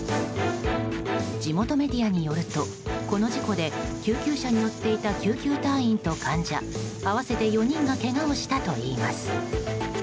地元メディアによるとこの事故で救急車に乗っていた救急隊員と患者合わせて４人がけがをしたといいます。